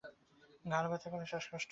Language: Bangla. ঘাড় ব্যথা করে, শ্বাসকষ্ট হয়।